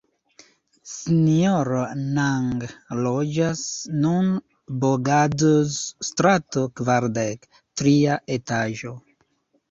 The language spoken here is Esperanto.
Sinjoro Nang loĝas nun Bogadoz-strato kvardek, tria etaĝo.